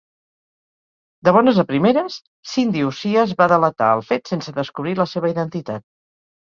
De bones a primeres, Cindy Ossias va delatar el fet sense descobrir la seva identitat.